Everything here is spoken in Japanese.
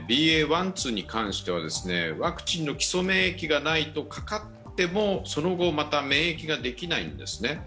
１、２についてはワクチンの基礎免疫がないとかかってもその後、また免疫ができないんですね。